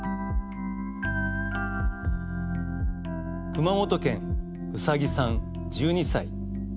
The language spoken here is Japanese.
熊本県うさぎさん１２歳。